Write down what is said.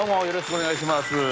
よろしくお願いします。